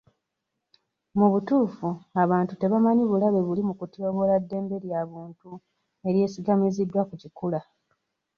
Mubutuufu abantu tebamanyi bulabe buli mu kutyoboola ddembe lya buntu eryesigamiziddwa ku kikula.